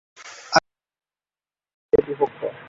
আগ্নেয় শিলা দুইটি প্রধান শ্রেণিতে বিভক্ত।